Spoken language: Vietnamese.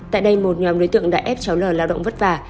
tại đây một nhóm đối tượng đã ép cháu lời lao động vất vả